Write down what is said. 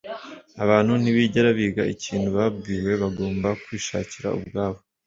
abantu ntibigera biga ikintu babwiwe, bagomba kwishakira ubwabo